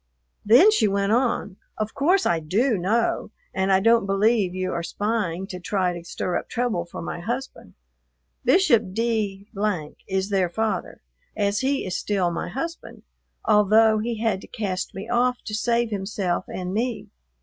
Then she went on, "Of course I do know, and I don't believe you are spying to try to stir up trouble for my husband. Bishop D is their father, as he is still my husband, although he had to cast me off to save himself and me.